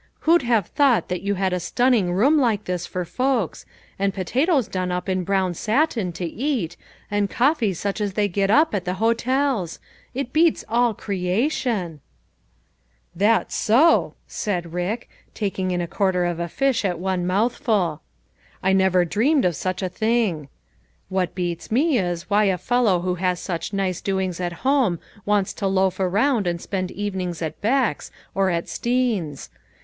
Who'd have thought that you had a stunning room like this for folks, and po tatoes done up in brown satin, to eat, and coffee such as they get up at the hotels ! It beats aU creation !" 216 LITTLE FISHERS : AND THEIR NETS. " That's so," said Rick, taking in a 'quarter of a fish at one mouthful, " I never dreamed of such .a thing ; what beats me, is, why a fellow who has such nice doings at home, wants to loaf around, and spend evenings at Beck's, or at Steen's.